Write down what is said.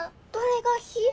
どれが「ひ」？